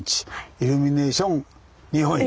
イルミネーション日本一。